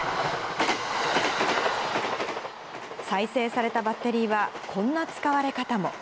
再生されたバッテリーは、こんな使われ方も。